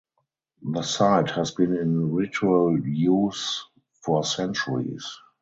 The site has been in ritual use for centuries.